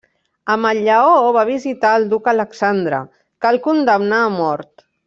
Amb el lleó, va visitar el duc Alexandre, que el condemnà a mort.